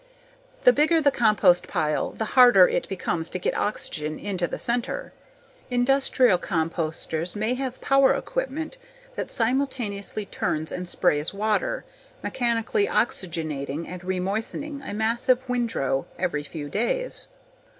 The bigger the compost pile the harder it becomes to get oxygen into the center. Industrial composters may have power equipment that simultaneously turns and sprays water, mechanically oxygenating and remoistening a massive windrow every few days.